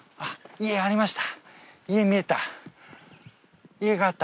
家ありました。